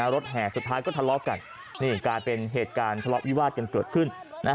แห่สุดท้ายก็ทะเลาะกันนี่กลายเป็นเหตุการณ์ทะเลาะวิวาดกันเกิดขึ้น